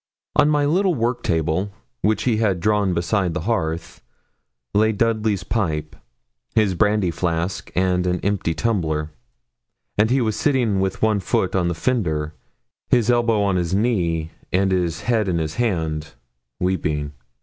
On my little work table, which he had drawn beside the hearth, lay Dudley's pipe, his brandy flask, and an empty tumbler; and he was sitting with one foot on the fender, his elbow on his knee, and his head resting in his hand, weeping.